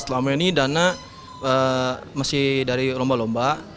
selama ini dana masih dari lomba lomba